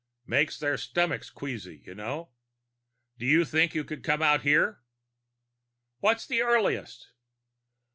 Makes their stomachs queasy, you know. Do you think you could come out here?" "When's the earliest?"